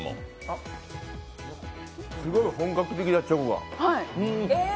すごい本格的だ、チョコが。